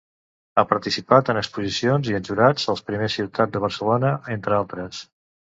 Ha participat en exposicions i en jurats als Premis Ciutat de Barcelona, entre altres.